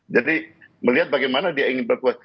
jadi melihat bagaimana dia ingin berkuasa